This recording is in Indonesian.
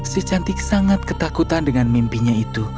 si cantik sangat ketakutan dengan mimpinya itu